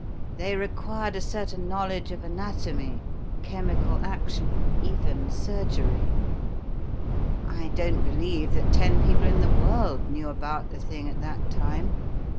They required a certain knowledge of anatomy, chemical action even surgery. I don't believe that ten people in the world knew about the thing at that time.